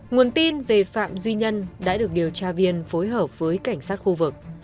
nguồn tin về phạm duy nhân đã được điều tra viên phối hợp với cảnh sát khu vực